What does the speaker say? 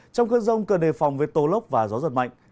trong cơn rông cần đề phòng với tô lốc và gió giật mạnh